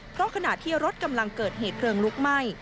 เพราะขณะที่รถกำลังเกิดเหตุเพลิงลุกไหม้